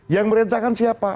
yang merentahkan siapa